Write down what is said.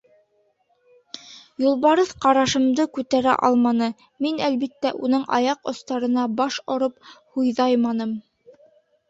Юлбарыҫ ҡарашымды күтәрә алманы, мин, әлбиттә, уның аяҡ остарына баш ороп һуйҙайманым.